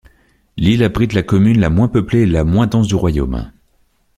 L'île abrite la commune la moins peuplée et la moins dense du Royaume.